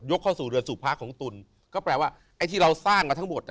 เข้าสู่เรือนสู่พระของตุลก็แปลว่าไอ้ที่เราสร้างมาทั้งหมดอ่ะ